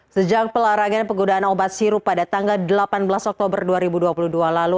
sejak pelarangan penggunaan obat sirup pada tanggal delapan belas oktober dua ribu dua puluh dua lalu